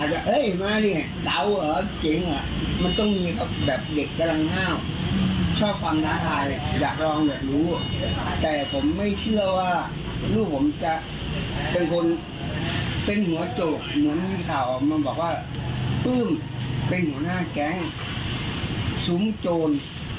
เหมือนมีข่าวมันบอกว่าปื้มเป็นหัวหน้าแก๊งสูงโจร